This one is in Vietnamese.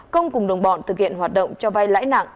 công cùng đồng bọn thực hiện hoạt động cho vay lãi nặng